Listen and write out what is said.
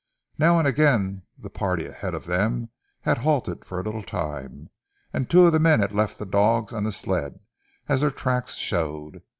Now and again the party ahead of them had halted for a little time, and two of the men had left the dogs and the sled, as their tracks showed.